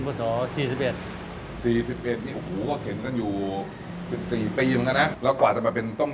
ครับผม